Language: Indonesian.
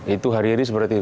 itu hari hari seperti itu